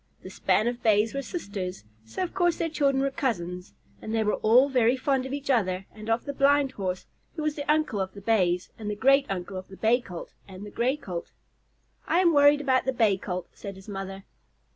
The span of Bays were sisters, so of course their children were cousins, and they were all very fond of each other and of the Blind Horse, who was the uncle of the Bays and the great uncle of the Bay Colt and the Gray Colt. "I am worried about the Bay Colt," said his mother.